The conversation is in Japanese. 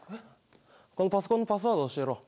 このパソコンのパスワード教えろ。